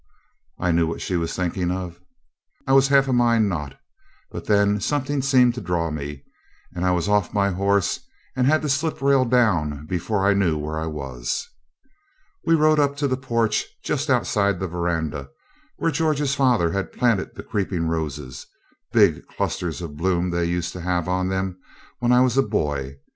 I knew what she was thinking of. I was half a mind not, but then something seemed to draw me, and I was off my horse and had the slip rail down before I knew where I was. We rode up to the porch just outside the verandah where George's father had planted the creeping roses; big clusters of bloom they used to have on 'em when I was a boy.